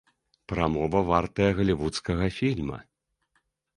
Прамова вартая галівудскага фільма.